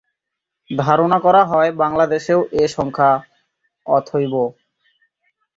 ধারণা করা হয় বাংলাদেশেও এ সংখ্যা তথৈব।